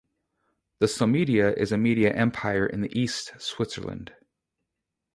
The Somedia is a Media Empire in the east Switzerland.